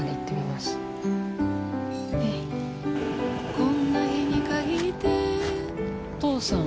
こんな日に限って、お父さん？